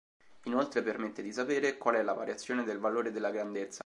Inoltre permette di sapere qual è la variazione del valore della grandezza.